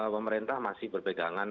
pemerintah masih berpegangan